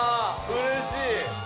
うれしい！